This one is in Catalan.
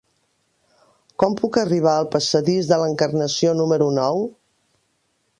Com puc arribar al passadís de l'Encarnació número nou?